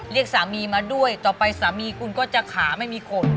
เรียกสามีมาด้วยต่อไปสามีคุณก็จะขาไม่มีขน